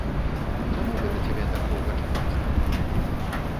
Чаму гэта цябе так доўга чакаць трэба?